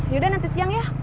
yaudah nanti siang ya